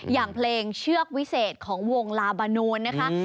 อย่างเพลงเชือกวิเศษของวงลาบานูนนะคะ